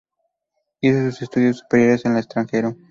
Hizo sus estudios superiores en el extranjero.